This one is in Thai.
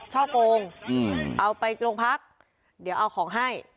ช่อกงเอาไปโรงพักเดี๋ยวเอาของให้